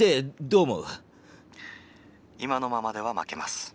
「今のままでは負けます。